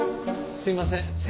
すいません。